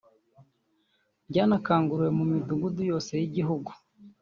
ryanakanguriwe mu midugudu yose y’igihugu